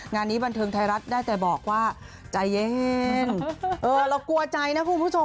งานนี้บันเทิงไทยรัฐได้แต่บอกว่าใจเย็นเออเรากลัวใจนะคุณผู้ชม